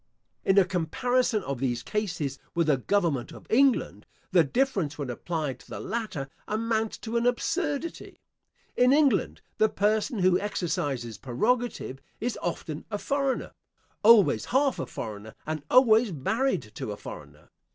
In a comparison of these cases with the Government of England, the difference when applied to the latter amounts to an absurdity. In England the person who exercises prerogative is often a foreigner; always half a foreigner, and always married to a foreigner.